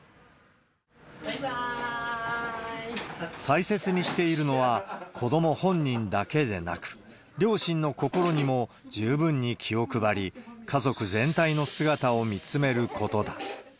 大切にしているのは、子ども本人だけでなく、両親の心にも十分に気を配り、家族全体の姿を見つめることだ。